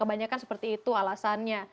kebanyakan seperti itu alasannya